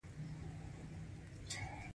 هغه هغې ته په درناوي د چمن کیسه هم وکړه.